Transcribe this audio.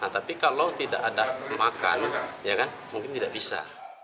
tapi kalau tidak ada makan mungkin tidak bisa